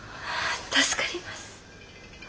助かります。